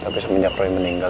tapi semenjak roy meninggal